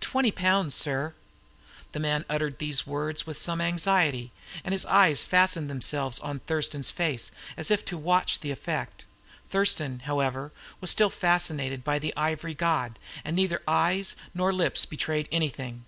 "Twenty pounds, sir." The man uttered these words with some anxiety, and his eyes fastened themselves on Thurston's face, as if to watch the effect. Thurston, however, was still fascinated by the ivory god, and neither eyes nor lips betrayed anything.